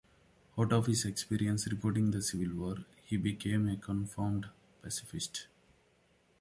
Out of his experiences reporting the Civil War, he became a confirmed pacifist.